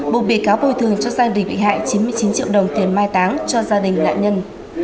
buộc bị cáo bồi thường cho gia đình bị hại chín mươi chín triệu đồng tiền mai táng cho gia đình nạn nhân